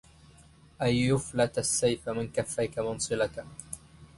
إن يفلت السيف من كفيك منصلتا